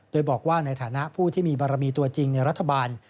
โดยบอกว่าในฐานะผู้ที่มีบารมีตัวจริงในรัฐบาล